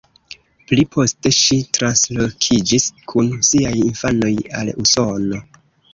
Pli poste, ŝi translokiĝis kun siaj infanoj al Usono.